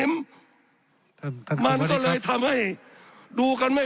สับขาหลอกกันไปสับขาหลอกกันไป